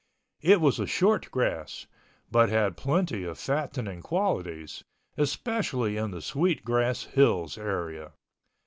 It was a short grass, but had plenty of fattening qualities, especially in the Sweet Grass Hills area.